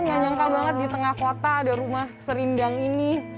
gak nyangka banget di tengah kota ada rumah serindang ini